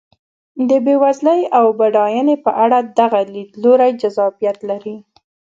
د بېوزلۍ او بډاینې په اړه دغه لیدلوری جذابیت لري.